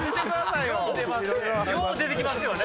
よう出てきますよね。